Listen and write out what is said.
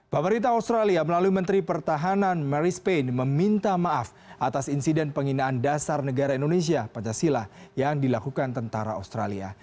pemerintah australia melalui menteri pertahanan mary spain meminta maaf atas insiden penghinaan dasar negara indonesia pancasila yang dilakukan tentara australia